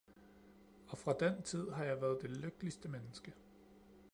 Og fra den tid har jeg været det lykkeligste menneske